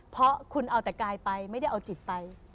เพราะคุณเอาแต่กายไปไม่ได้เอาจิตไป